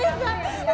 gak ada izzan